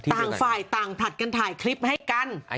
ต่างฝ่ายต่างผลัดกันถ่ายคลิปให้กัน